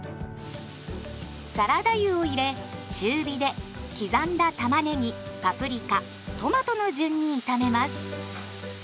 サラダ油を入れ中火で刻んだたまねぎパプリカトマトの順に炒めます。